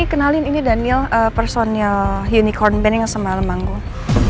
ini kenalin ini daniel personil unicorn bening semalam manggung